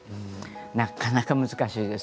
なかなか難しいです。